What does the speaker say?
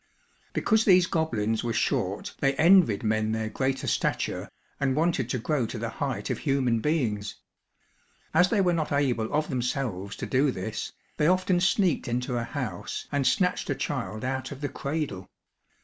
Because these goblins were short, they envied men their greater stature and wanted to grow to the height of human beings. As they were not able of themselves to do this, they often sneaked into a house and snatched a child out of the cradle.